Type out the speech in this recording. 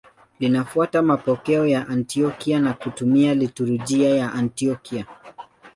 Linafuata mapokeo ya Antiokia na kutumia liturujia ya Antiokia.